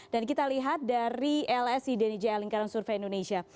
dan kita lihat dari lsi dnijl lingkaran survei indonesia